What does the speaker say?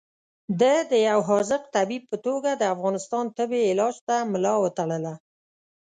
ده د یو حاذق طبیب په توګه د افغانستان تبې علاج ته ملا وتړله.